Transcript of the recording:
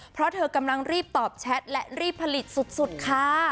เพราะเธอกำลังรีบตอบแชทและรีบผลิตสุดค่ะ